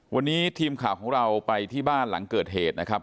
วันนี้ทีมข่าวของเราไปที่บ้านหลังเกิดเหตุนะครับ